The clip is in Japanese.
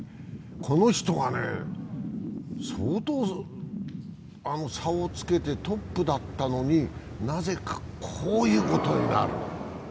この人が相当差をつけてトップだったのに、なぜかこういうことになる。